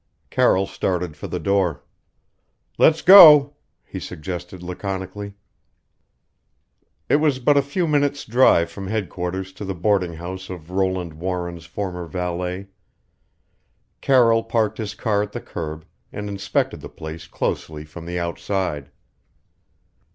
Carroll started for the door. "Let's go," he suggested laconically. It was but a few minutes' drive from headquarters to the boarding house of Roland Warren's former valet. Carroll parked his car at the curb and inspected the place closely from the outside.